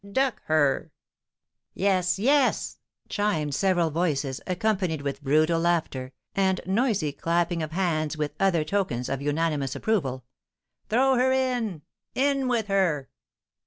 duck her!" "Yes, yes!" chimed several voices, accompanied with brutal laughter, and noisy clapping of hands, with other tokens of unanimous approval. "Throw her in! in with her!"